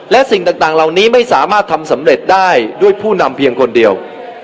และสิ่งต่างเหล่านี้ไม่สามารถทำสำเร็จได้ด้วยผู้นำเพียงคนเดียว